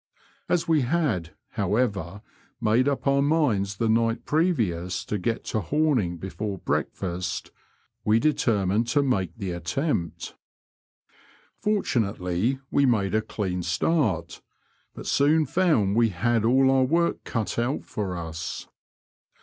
As we had, however, made up our minds the night previous to get to Horning before breakfast, we determined to make the attempt. Fortunately, we made a clean start, but soon found we had all our work cut out for us.